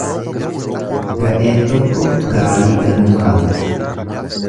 Gadheen tokko gaarii danuu faalti.